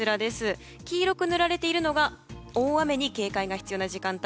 黄色く塗られているのが大雨に警戒が必要な時間帯。